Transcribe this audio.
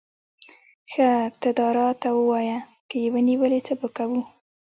ښه ته داراته ووایه، که یې ونیولې، څه به کوو؟